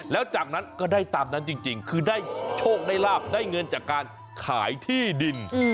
แล้วจากนั้นก็ได้ตามนั้นจริงคือได้โชคได้ลาบได้เงินจากการขายที่ดิน